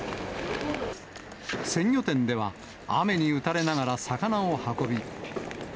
鮮魚店では、雨に打たれながら魚を運び。